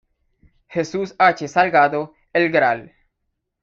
Jesús H. Salgado, el Gral.